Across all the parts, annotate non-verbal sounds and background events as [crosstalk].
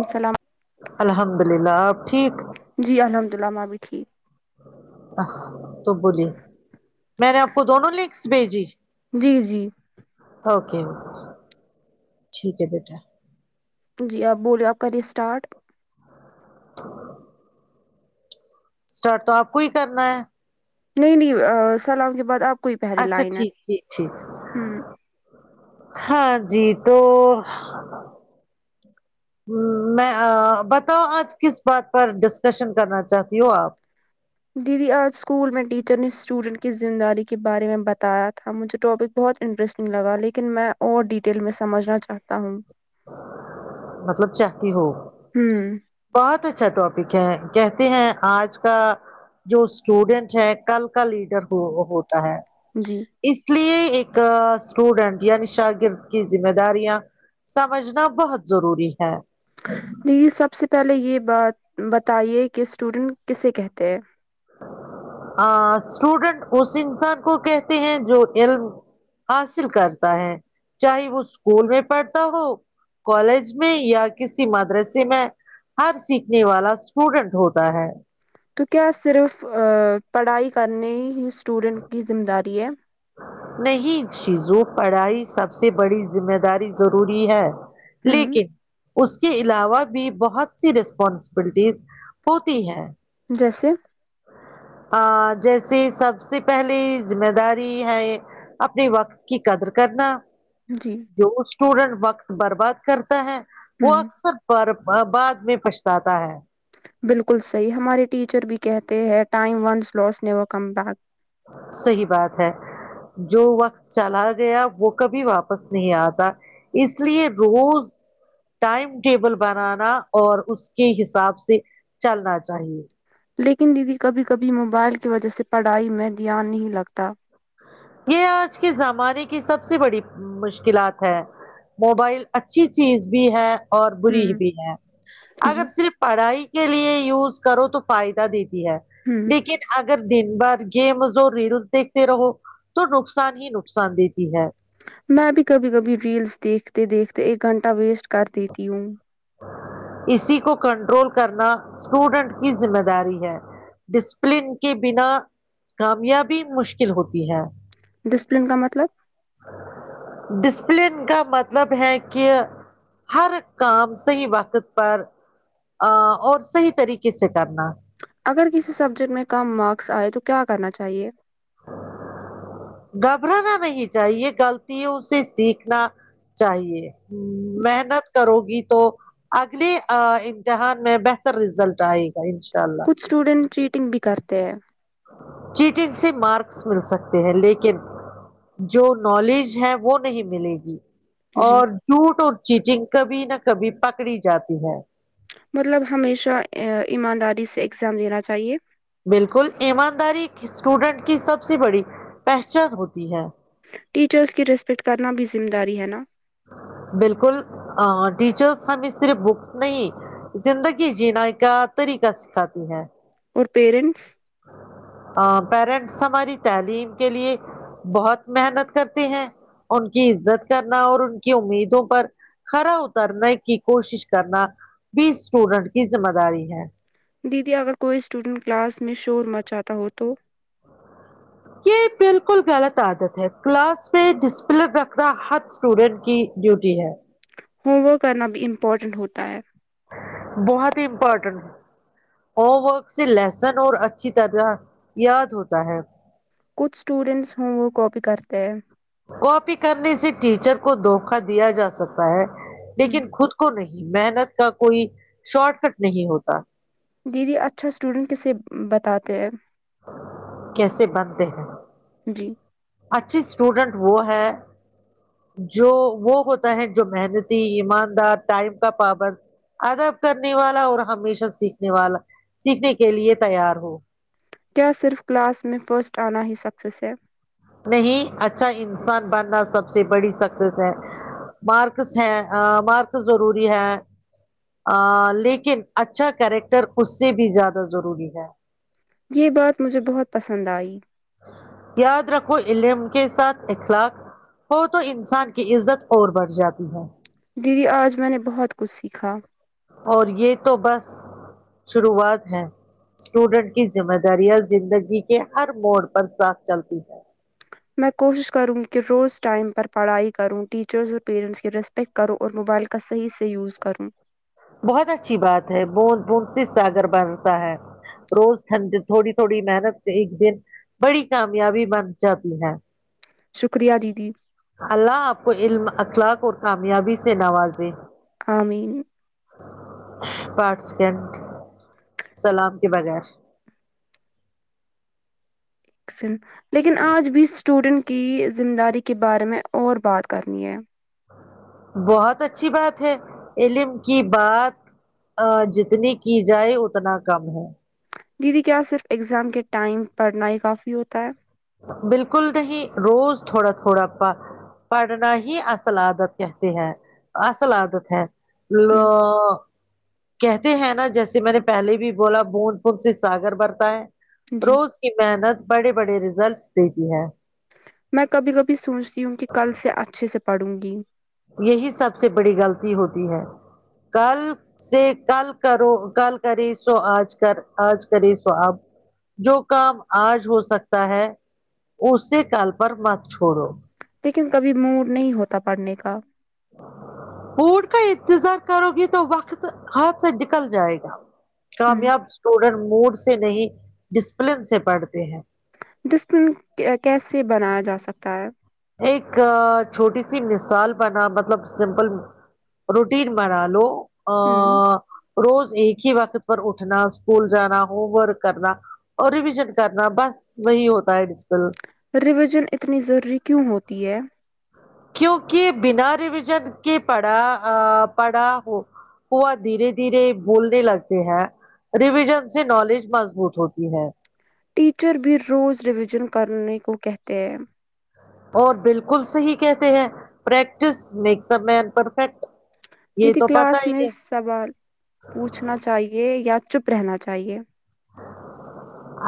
اسلام الحمد للہ آپ ٹھیک جی الحمد اللہ میں بھی ٹھیک تو بولیے میں نے آپ کو دونوں لنکس بھیجی جی جی اوکے ٹھیک ہے بیٹا جی آپ بولیے آپ کریے اسٹارٹ [inaudible] اسٹارٹ تو آپ کو ہی کرنا ہے نہیں نہیں سلام کے بعد آپ کو ہی پہلی اچھا لائن ہے ٹھیک ٹھیک ٹھیک ہوں ہاں جی تو میں بتاؤ آج کس بات پر ڈسکشن کرنا چاہتی ہو آپ دیدی آج اسکول میں ٹیچر نے اسٹوڈنٹ کی ذمہ داری کے بارے میں بتایا تھا مجھے ٹاپک بہت انٹرسٹنگ لگا لیکن میں اور ڈیٹیل میں سمجھنا چاہتا ہوں مطلب چاہتی ہو ہوں بہت اچھا ٹاپک ہے کہتے ہیں آج کا جو اسٹوڈینٹ ہے کل کا لیڈر ہو ہوتا ہے جی اس لیے ایک اسٹوڈنٹ یعنی شاگرد کی ذمہ داریاں سمجھنا بہت ضروری ہے جی سب سے پہلے یہ بات بتائیے کہ اسٹوڈنٹ کسے کہتے ہیں اسٹوڈنٹ اس انسان کو کہتے ہیں جو علم حاصل کرتا ہے چاہے وہ اسکول میں پڑھتا ہو کالج میں یا کسی مدرسے میں ہر سیکھنے والا اسٹوڈنٹ ہوتا ہے تو کیا صرف پڑھائی کرنے ہی اسٹوڈنٹ کی ذمہ داری ہے نہیں چیزوں پڑھائی سب سے بڑی ذمہ داری ضروری ہے ہوں لیکن اس کے علاوہ بھی بہت سی ریسپانسبلٹیز ہوتی ہے جیسے جیسے سب سے پہلی ذمہ داری ہے اپنے وقت کی قدر کرنا جی جو اسٹوڈنٹ وقت برباد کرتا ہے وہ ہوں اکثر پر بعد میں پچھتا تا ہے بالکل صحیح ہمارے ٹیچر بھی کہتے ہیں time once lost never come back صحیح بات ہے جو وقت چلا گیا وہ کبھی واپس نہیں آتا اس لیے روز ٹائم ٹیبل بنانا اور اس کے حساب سے چلنا چاہیے لیکن دیدی کبھی کبھی موبائل کی وجہ سے پڑھائی میں دھیان نہیں لگتا یہ آج کے زمانے کی سب سے بڑی مشکلات ہے موبائل اچھی چیز بھی ہے اور بری ہوں بھی ہے جی اگر صرف پڑھائی کے لیے یوز کرو تو فائدہ دیتی ہے ہوں لیکن اگر دن بھر گیمز اور ریلس دیک رہو تو نقصان ہی نقصان دیتی ہے میں بھی کبھی کبھی ریلس دیکھتے دیکھتے ایک گھنٹہ ویسٹ کر دیتی ہوں اسی کو کنٹرول کرنا اسٹوڈنٹ کی ذمہ داری ہے ڈسپلن کے بنا کامیابی مشکل ہوتی ہے ڈسپلن کا مطلب ڈسپلن کا مطلب ہے کہ ہر کام صحیح وقت پر آ اور صحیح طریقے سے کرنا اگر کسی سبجیکٹ میں کم مارکس آئے تو کیا کرنا چاہیے گھبرانا نہیں چاہیے غلطتیوں سے سیکھنا چاہیے محنت کرو گی تو اگلے امتحان میں بہتر رزلٹ آئے گا ان شاء اللہ کچھ اسٹوڈینٹ چیٹنگ بھی کرتے ہیں چیٹنگ سے مارکس مل سکتے ہیں لیکن جو نالج ہے وہ نہیں ملے گی جی اور جھوٹ اور چیٹنگ کبھی نہ کبھی پکڑی جاتی ہے مطلب ہمیشہ ایمانداری سے ایگزام دینا چاہیے بالکل ایمانداری اسٹوڈنٹ کی سب سے بڑی پہچان ہوتی ہے ٹیچرس کی ریسپیکٹ کرنا بھی ذمہ داری ہے نا بالکل ٹیچرس ہمیں صرف بکس نہیں زندگی جینا کا طریقہ سکھاتی ہے اور پیرنٹس آ پیرنٹس ہماری تعلیم کے لیے بہت محنت کرتے ہیں ان کی عزت کرنا اور ان کی امیدوں پر کھڑا اترنے کی کوشش کرنا بھی اسٹوڈنٹ کی ذمہ داری ہے دیدی اگر کوئی اسٹوڈنٹ کلاس میں شو روما چاہتا ہو تو یہ بالکل غلط عادت ہے کلاس میں ڈسپلن رکھنا ہر اسٹوڈینٹ کی ڈیوٹی ہے ہوم ورک کرنا بھی امپورٹنٹ ہوتا ہے بہت ہی امپورٹنٹ ہوم ورک سے لسن اور اچھی طرح یاد ہوتا ہے کچھ اسٹوڈنٹس ہوم ورک کاپی کرتے ہیں کاپی کرنے سے ٹیچر کو دھوکا دیا جا سکتا ہے ہم، لیکن خود کو نہیں محنت کا کوئی شارٹ کٹ نہیں ہوتا دیدی اچھا اسٹوڈنٹ کسے بتاتے ہیں کیسے بنتے ہیں جی اچھی اسٹوڈنٹ وہ ہے جو وہ ہوتا ہے جو محنتی ایماندار ٹائم کا پابند ادب کرنے والا اور ہمیشہ سیکھنے والا سیکھنے کے لیے تیار ہو کیا صرف کلاس میں فرسٹ آنا ہی سکسیز ہے نہیں اچھا انسان بننا سب سے بڑی سکسیس ہے مارکس ہے مارکس ضروری ہے لیکن اچھا کیریکٹر اس سے بھی زیادہ ضروری ہے یہ بات مجھے بہت پسند آئی یاد رکھو علم کے ساتھ اخلاق ہو تو انسان کی عزت اور بڑھ جاتی ہے دیدی آج میں نے بہت کچھ سیکھا اور یہ تو بس شروعات ہے اسٹوڈنٹ کی ذمہ داریاں زندگی کے ہر موڑ پر ساتھ چلتی ہے میں کوشش کروں گی کہ روز ٹائم پر پڑھائی کروں ٹیچرس اور پیرنٹس کی پیک کروں اور موائل کا صحیح صحیح یوز کروں بہت اچھی بات ہے بند بند سے ساگر بنتا ہے روز ٹھنڈ تھوڑی تھوڑی محنت سے ایک دن بڑی کامیابی بن جاتی ہے شکریہ دیدی اللہ آپ کو علم اخلاق اور کامیابی سے نوازے آمین پارٹ سیکنڈ سلام کے بغیر لیکن آج بھی اسٹوڈنٹ کی ذمہ داری کے بارے میں اور بات کرنی ہے بہت اچھی بات ہے علم کی بات ا جتنی کی جائے اتنا کم ہے دیدی کیا صرف اگزام کے ٹائم پڑھنا ہی کافی ہوتا ہے بالکل نہیں روز تھوڑا تھوڑا پا پڑھنا ہی اصل عادت کہتے ہیں اصل عادت ہے لا ہوں کہتے ہیں نا جیسے میں نے پہلے بھی بولا بند پ سے ساگر برتا ہے جی روز کی محنت بڑے بڑے ریزلٹس دیتی ہے میں کبھی کبھی سوچتی ہوں کہ کل سے اچھے سے پڑھوں گی یہی سب سے بڑی غلطی ہوتی ہے کل سے کل کرو کل کری سو آج کر آج کری سو آپ جو کام آج ہو سکتا ہے اسی کال پر مت چھوڑو لیکن کبھی موڈ نہیں ہوتا پڑھنے کا بوٹ کا انتظار کرو گی تو وقت ہاتھ سے نکل جائے گا ہوں کامیاب اسٹوڈنٹ موڈ سے نہیں ڈسپلن سے پڑھتے ہیں ڈسپلن کیسے بنایا جا سکتا ہے ایک چھوٹی سی مثال بنا مطلب سمپل روٹین بنا لو ا ہوں روز ایک ہی وقت پر اٹھنا سکول جانا ہوم ورک کرنا اور ریویژن کرنا بس وہی ہوتا ہے ڈجپل رویژن اتنی ضروری کیوں ہوتی ہے کیونکہ بنا ریویژن کے پڑا پڑا ہو وہ دھیرے دھیرے بولنے لگتے ہیں ریویژن سے نالج مضبوط ہوتی ہے ٹیچر بھی روز ریویژن کرنے کو کہتے ہیں اور بالکل صحیح کہتے ہیں practice makes a man perfect یہ دیدی تو پت کلاس ہی میں یہ سوال پوچھنا چاہیے یا چپ رہنا چاہیے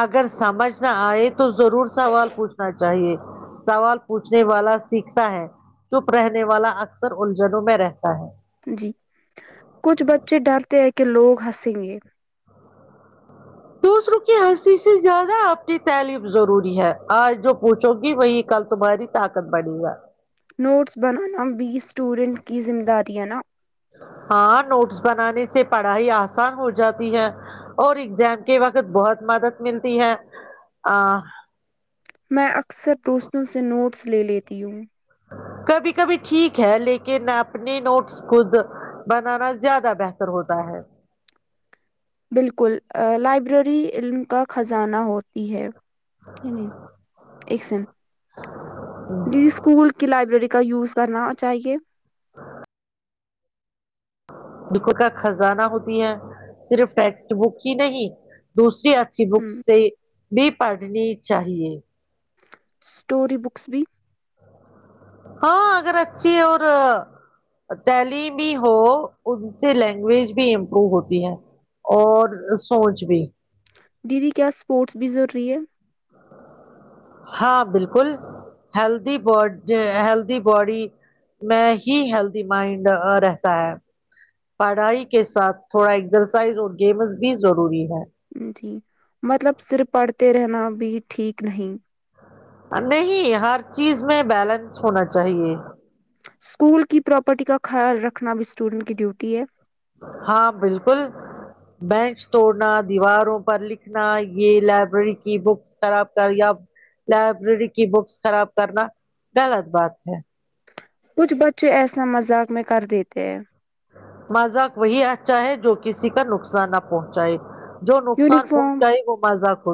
اگر سمجھ نہ آئے تو تو ضرور سوال پوچھنا چاہیے سوال پوچھنے والا سیکھتا ہے چپ رہنے والا اکثر الجھنوں میں رہتا ہے جی کچھ بچے ڈرتے ہے کہ لوگ ہنسیں گے دوسروں کی ہنسی سے زیادہ آنی تعلیم ضروری ہے آج جو پوچھو گی وہی کل تمہاری طاقت بڑی گا نوٹس بنانا بیس اسٹوڈنٹ کی ذمہ داریاں نا ہاں نوٹس بنانے سے پڑھائی آسان ہو جاتی ہے اور ایگزام کے وقت بہت مدد ملتی ہے ا میں اکثر دوستوں سے نوٹس لے لیتی ہوں کبھی کبھی ٹھیک ہے لیکن اپنے نوٹس خود بنانا زیادہ بہتر ہوتا ہے بالکل لائبریری علم کا خزانہ ہوتی ہے نہیں نہیں ایک سیکنڈ اسکول کی لائبریری کا یوز کرنا چاہیے دکھوتا خزانہ ہوتی ہے صرف ٹیکسٹ بک ہی نہیں دوسری اچھی ہ بکس سے بھی پڑھنی چاہیے اسٹوری بکس بھی ہاں اگر اچھی اور تعلیمی ہی ہو ان سے لینگویج بھی امپرو ہوتی ہے اور سوچ بھی دیدی کیا اسپورٹس بھی ضروری ہے ہاں بالکل ہیلدی بڈ ہیلدی باڈی میں ہی ہیلدی مائنڈ رہتا ہے پڑھائی کے ساتھ تھوڑا ایکزرسائز اور گیمز بھی ضروری ہے جی مطلب صرف پڑھتے رہنا بھی ٹھیک نہیں نہیں ہر چیز میں بیلنس ہونا چاہیے اسکول کی پراپرٹی کا خیال رکھنا بھی اسٹوڈنٹ کی ڈیوٹی ہے ہاں بالکل بینچ توڑنا دیواروں پر لکھنا یے لائبریری کی بکس خراب کر یا لائبریری کی بکس خراب کرنا غلط بات ہے کچھ بچے ایسا مذاق میں کر دیتے ہیں مذاق وہی اچھا ہے جو کی کسی کا نقصان نہ پہنچائے جو نقصان یونیفارم پہنچائے وہ مذاق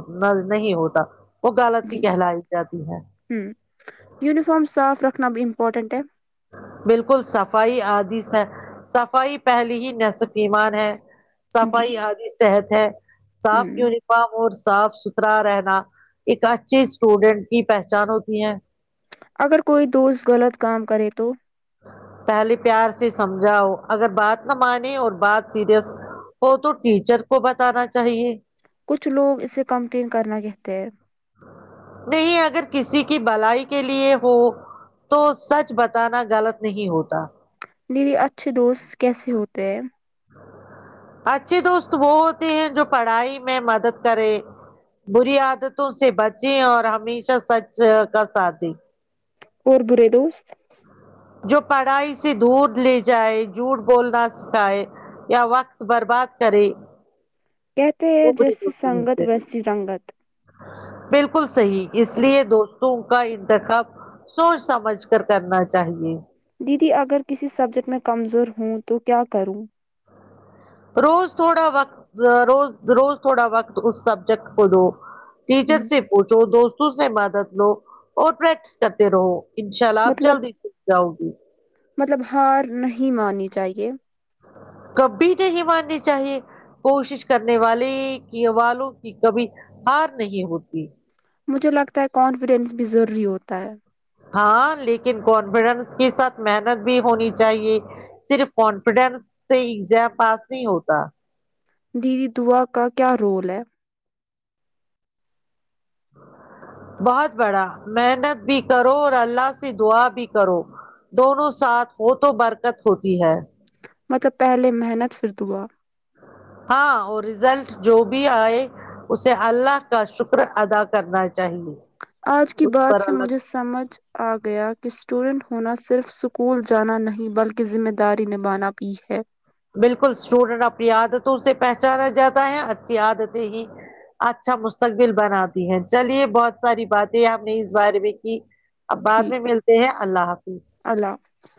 نہیں ہوتا وہ غالط ہی کہلائی جاتی ہے ہمم یونفام صاف رکھنا بھی امپورٹنٹ ہے بالکل صفائی آدی سے صفائی پہلی ہی نصف ایمان ہے جی صفائی آدی صحت ہے صاف ہوں یونی فام اور صاف ستھرا رہنا ایک اچھے اسٹوڈنٹ کی پہچان ہوتی ہے اگر کوئی دوست غلط کام کرے تو پہلے پیار سے سمجھاؤ اگر بات نہ مانے اور بات سیریس ہو تو ٹیچر کو بتانا چاہیے کچھ لوگ اسے کمپلین کرنا کہتے ہیں نہیں اگر کسی کی بلائی کے لیے ہو تو سچ بتانا غلط نہیں ہوتا دیدی اچھے دوست کیسے ہوتے ہیں اچھے دوست وہ ہوتے ہیں جو پڑھائی میں مدد کرے بری عادتوں سے بچیں اور ہمیشہ سچ کا ساتھ دیں اور برے دوست جو پڑھائی سے دور لے جائے جھوٹ بولنا سکھائے یا وقت برباد کرے کہتے ہیں وہ برے جیسی دوست ہوتے سنگت ہیں ویسی رنگت بالکل صحیح اس لیے دوستوں کا انتخاب سوچ سمجھ کر کرنا چاہیے دیدی اگر کسی سبجیکٹ میں کمزور ہوں تو کیا کروں روز تھوڑا وقت روز روز تھوڑا وقت اس سبجیکٹ کو دو ہ ٹیچر سے پوچھو دوستوں سے مادد لو اور پریکٹس کرتے رہو انشاء اللہ آپ مطلب جلدی سکھ جاؤ گی مطلب ہار نہیں ماننی چاہیے کبھی نہیں ماننی چاہیے کوشش کرنے والے کی والوں کی کبھی ہار نہیں ہوتی مجھے لگتا ہے کانفیڈینس بھی ضروری ہوتا ہے ہاں لیکن کانفیڈینس کے ساتھ محنت بھی ہونی چاہیے صرف کانفیڈینس سے ایگزام پاس نہیں ہوتا دیدی دعا کا کیا رول ہے بہت بڑا محنت بھی کرو اور اللہ سے دعا بھی کرو دونوں ساتھ ہو تو برکت ہوتی ہے مطلب پہلے محنت پھر دعا ہاں اور ریزلٹ جو بھی آئے اسے اللہ کا شکر ادا کرنا چاہیے آج کی اس بات پر سے مجھے اللہ سمجھ آ گیا کہ اسٹوڈنٹ ہونا صرف اسکول جانا نہیں بلکہ ذمہ داری نبھانا بھی ہے بالکل اسٹوڈنٹ اپنی عادتوں سے پہچانا جاتا ہے اچھی عادتیں ہی اچھا مستقبل بناتی ہیں چلیے بہت ساری باتیں آپ نے اس بارے میں کی اب بعد ٹھیک میں ملتے ہیں اللہ حافظ ہے اللہ حافظ